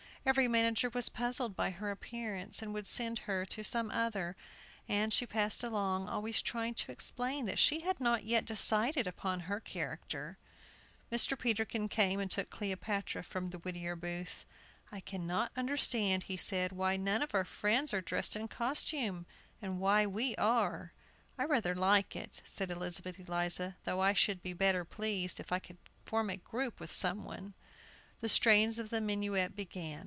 Every manager was puzzled by her appearance, and would send her to some other, and she passed along, always trying to explain that she had not yet decided upon her character. Mr. Peterkin came and took Cleopatra from the Whittier Booth. "I cannot understand," he said, "why none of our friends are dressed in costume, and why we are." "I rather like it," said Elizabeth Eliza, "though I should be better pleased if I could form a group with some one." The strains of the minuet began.